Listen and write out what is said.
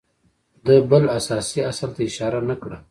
ده بل اساسي اصل ته اشاره نه کړه